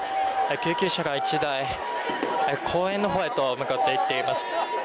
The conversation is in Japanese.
救急車が１台公園の方へと向かって行っています。